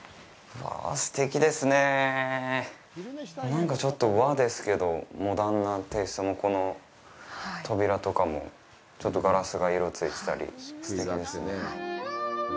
なんかちょっと和ですけどモダンなテイストのこの扉とかもちょっとガラスが色ついてたりすてきですね。